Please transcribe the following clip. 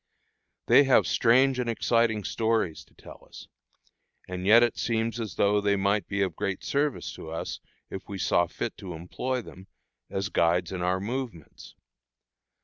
They have strange and exciting stories to tell us, and yet it seems as though they might be of great service to us, if we saw fit to employ them, as guides in our movements.